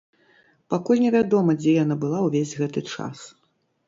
Пакуль невядома, дзе яна была ўвесь гэты час.